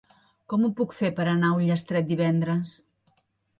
Com ho puc fer per anar a Ullastrell divendres?